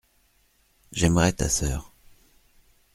J’aimerais ta sœur.